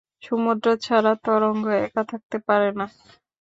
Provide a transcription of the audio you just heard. সমুদ্র ছাড়া তরঙ্গ একা থাকতে পারে না।